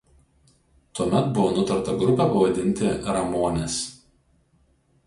Tuomet buvo nutarta grupę pavadinti Ramones.